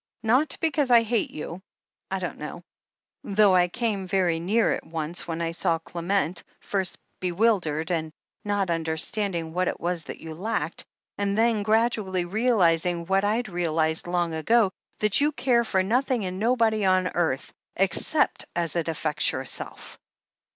Not because I hate you — I don't now, though I came very near it once when I saw Clement, first bewildered, and not understanding what it was that you lacked, and then gradually realizing what I'd realized long ago— that you care for nothing and no body on earth, except as it affects yourself."